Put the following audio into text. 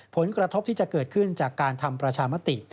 ผลกระทบที่จะเกิดขึ้นจากการทำประชามติ